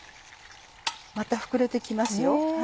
また膨れて来ますよ。